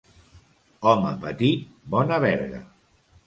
Home petit, bona verga.